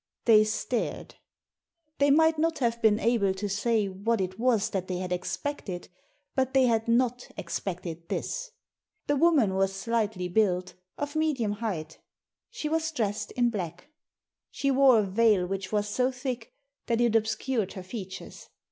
They stared. They might not have been able to say what it was that they had expected, but they bad not expected this. The woman was slightly built, of medium height She was dressed in black. She wore a veil which was so thick that it obscured her features.